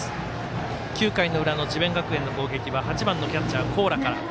９回の裏の智弁学園の攻撃は８番のキャッチャー高良から。